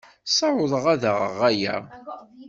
Ssawḍeɣ ad geɣ aya.